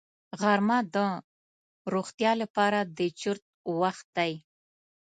غرمه د روغتیا لپاره د چرت وخت دی